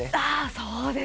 そうですか。